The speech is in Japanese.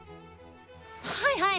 はいはい！